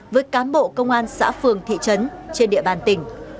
với cán bộ công an xã phường thị trấn trên địa bàn tỉnh